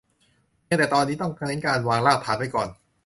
เพียงแต่ตอนนี้ต้องเน้นการวางรากฐานไปก่อน